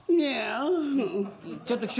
えっ？